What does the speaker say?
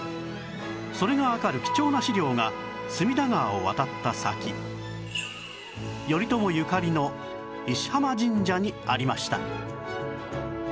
それがわかる貴重な資料が隅田川を渡った先頼朝ゆかりの石濱神社にありました